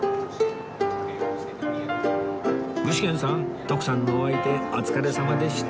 具志堅さん徳さんのお相手お疲れさまでした